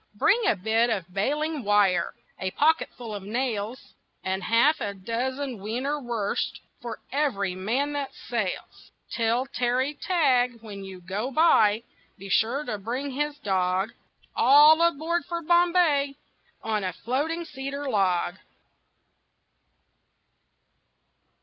Bring a bit of bailing wire, A pocketful of nails, And half a dozen wiener wursts For every man that sails. Tell Terry Tagg, when you go by, Be sure to bring his dog. All aboard for Bombay On a floating cedar log!